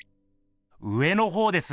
上のほうです。